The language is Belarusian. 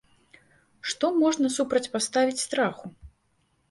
Што ж можна супрацьпаставіць страху?